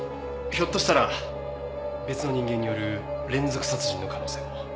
ひょっとしたら別の人間による連続殺人の可能性も。